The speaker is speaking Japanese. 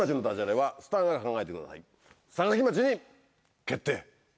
坂城町に決定。